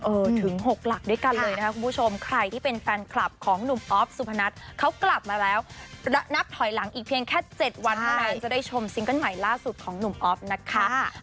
ถึง๖หลักด้วยกันเลยนะคะคุณผู้ชมใครที่เป็นแฟนคลับของหนุ่มออฟสุพนัทเขากลับมาแล้วนับถอยหลังอีกเพียงแค่๗วันเท่านั้นจะได้ชมซิงเกิ้ลใหม่ล่าสุดของหนุ่มอ๊อฟนะคะ